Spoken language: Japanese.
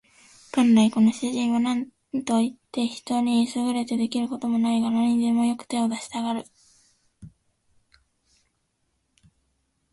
元来この主人は何といって人に優れて出来る事もないが、何にでもよく手を出したがる